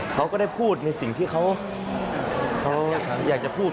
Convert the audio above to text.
เขาก็ได้พูดในสิ่งที่เขาอยากจะพูด